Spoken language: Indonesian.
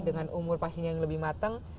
dengan umur pastinya yang lebih matang